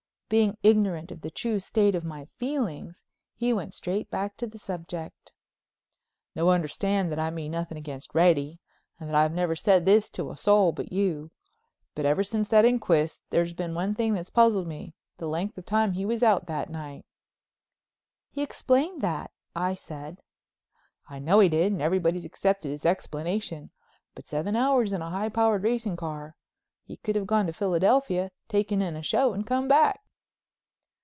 Being ignorant of the true state of my feelings, he went straight back to the subject. "Now understand that I mean nothing against Reddy and that I've never said this to a soul but you, but ever since the inquest there's been one thing that's puzzled me—the length of time he was out that night." "He explained that," I said. "I know he did, and everybody's accepted his explanation. But seven hours in a high powered racing car! He could have gone to Philadelphia, taken in a show and come back."